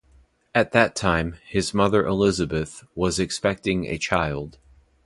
At that time, his mother Elizabeth, was expecting a child.